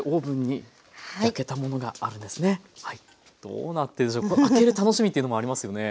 どうなってるんでしょう開ける楽しみっていうのもありますよね。